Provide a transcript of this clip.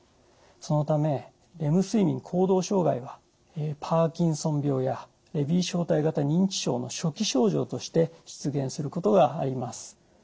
そのためレム睡眠行動障害はパーキンソン病やレビー小体型認知症の初期症状として出現することがあります。